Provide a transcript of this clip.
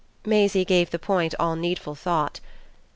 Maisie gave the point all needful thought.